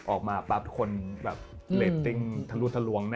ออกมาบ้างทุกคน